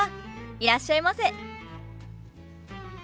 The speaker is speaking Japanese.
いらっしゃいませ。